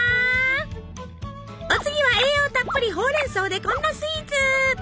お次は栄養たっぷりほうれん草でこんなスイーツ。